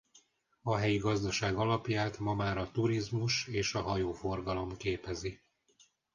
A helyi gazdaság alapját ma már a turizmus és a hajóforgalom képezi.